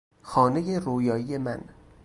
خانهی رویایی من